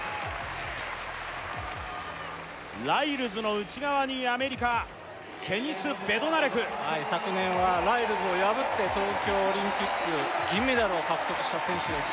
ライルズの内側にアメリカケニス・ベドナレク昨年はライルズを破って東京オリンピック銀メダルを獲得した選手です